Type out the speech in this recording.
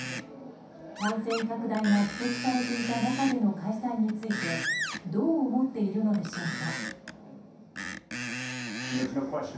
感染拡大が指摘されていた中での開催についてどう思っているのでしょうか。